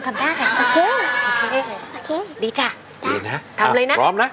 ไม่ใช่